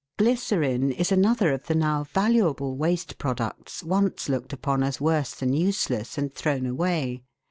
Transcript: Glycerine is another of the now valuable waste products once looked upon as worse than useless, and thrown away.